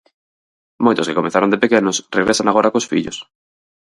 Moitos que comezaron de pequenos regresan agora cos fillos.